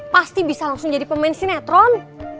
pasti bisa langsung jadi pemain sinetron